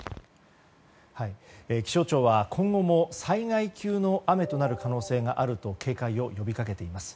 気象庁は今後も災害級の雨となる可能性があると警戒を呼びかけています。